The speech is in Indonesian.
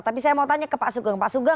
tapi saya mau tanya ke pak sugeng